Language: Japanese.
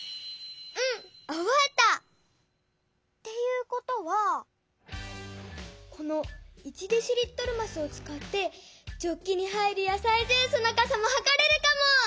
うんおぼえた！っていうことはこの１デシリットルますをつかってジョッキに入るやさいジュースのかさもはかれるかも！